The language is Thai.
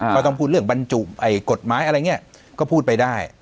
ก็ต้องพูดเรื่องบรรจุกฎหมายอะไรอย่างนี้ก็พูดไปได้